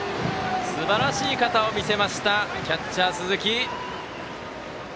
すばらしい肩を見せましたキャッチャー、鈴木。